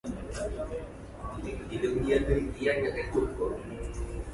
They are sometimes referred to as the "Cari" or "Khari".